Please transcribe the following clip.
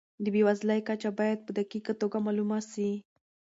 د بېوزلۍ کچه باید په دقیقه توګه معلومه سي.